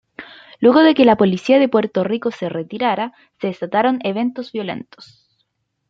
Luego de que la Policía de Puerto Rico se retirara, se desataron eventos violentos.